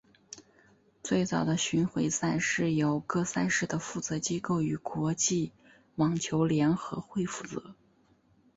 最早的巡回赛是由各赛事的负责机构与国际网球联合会负责。